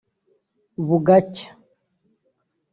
‘‘Bugacya’’